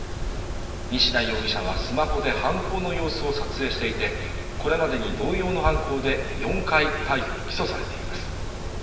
西田容疑者はスマホで犯行の様子を撮影していて、これまでに同様の犯行で、４回逮捕・起訴されています。